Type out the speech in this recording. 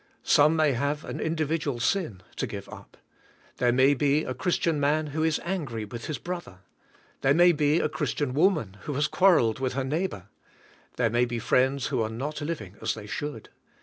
Some may have an individual sin to give up. There may be a Christian man who is angry with his brother. There ma}^ be a Christian woman who has quarreled with her neighbor. There may be friends who are not living as the}^ should.